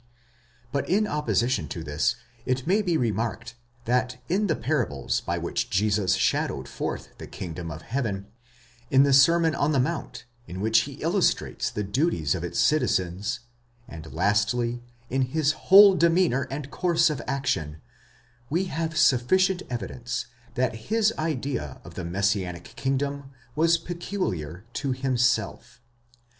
But in opposition to this it may be remarked, that in the Parables by which Jesus shadowed forth the kingdom of heaven; in the Sermon on the Mount, in which he illustrates the duties of its citizens; and lastly, in his whole demeanour and course of action, we have sufficient evidence, that his idea of the messianic kingdom was peculiar to himseif.